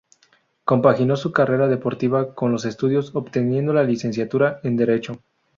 Compaginó su carrera deportiva con los estudios, obteniendo la licenciatura en Derecho.